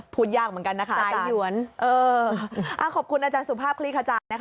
พูดยากเหมือนกันนะคะอ่ะขอบคุณอาจารย์สุภาพคลิขจารณ์